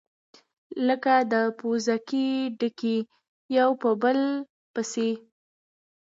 لكه د پوزکي ډَکي يو په بل پسي،